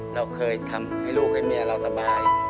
เราเคยทำให้ลูกให้เมียเราสบาย